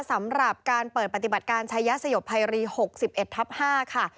สำหรับการเปิดปฏิบัติการชายสยบภัยรี๖๑ทับ๕ค่ะ